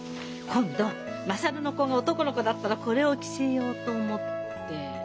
今度優の子も男の子だったらこれを着せようと思って。